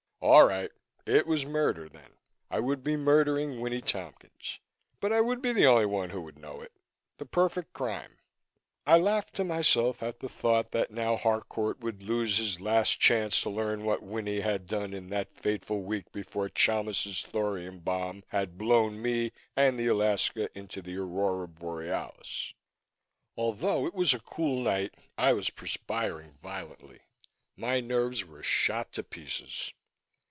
All right, it was murder then. I would be murdering Winnie Tompkins, but I would be the only one who would know it the Perfect Crime. I laughed to myself at the thought that now Harcourt would lose his last chance to learn what Winnie had done in that fatal week before Chalmis' thorium bomb had blown me and the Alaska into the Aurora Borealis. Although it was a cool night, I was perspiring violently. My nerves were shot to pieces.